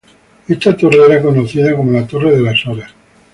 Esta torre era conocida como la "torre de las Horas.